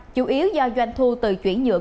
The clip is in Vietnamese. chủ yếu do doanh thu từ chuyển nhựa